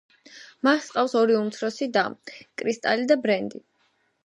მას ჰყავს ორი უმცროსი და: კრისტალი და ბრენდი.